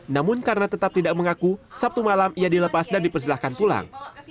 namun karena tetap tidak mengaku sabtu malam ia dilepas dan dipersilahkan pulang